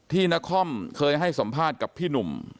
นครเคยให้สัมภาษณ์กับพี่หนุ่ม